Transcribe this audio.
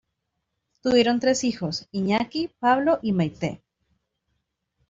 Tuvieron tres hijos: Iñaki, Pablo y Maite.